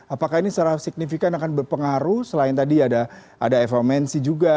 apakah ini secara signifikan akan berpengaruh selain tadi ada fomc juga